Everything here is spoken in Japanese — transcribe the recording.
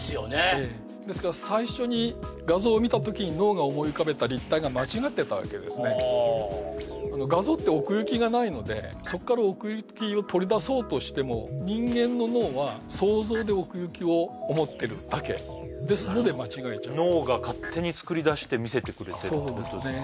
ええですから最初に画像を見た時に脳が思い浮かべた立体が間違ってたわけですねはあ画像って奥行きがないのでそこから奥行きを取り出そうとしても人間の脳は想像で奥行きを思ってるだけですので間違えちゃう脳が勝手に作り出して見せてくれてるってことですか？